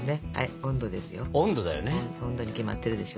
温度に決まってるでしょ。